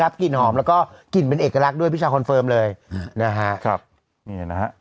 อ๋อค่ะจริงเหรอใครบอกนี้